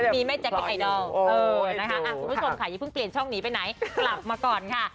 รู้ไหมแจ็คกิตไอดอลอ่ะสุผิดชมค่ะเราเพิ่งเปลี่ยนช่องไปไหนกลับมาก่อนค่ะ